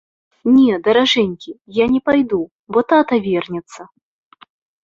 Не, даражэнькі, я не пайду, бо тата вернецца.